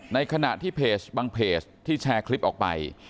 ในขณะที่เพจบางเพจที่แชร์คลิปออกไป